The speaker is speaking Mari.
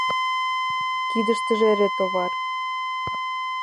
Кидыштыже эре товар....